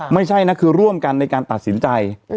ไม่ใช่นะคือร่วมกันในการตัดสินใจ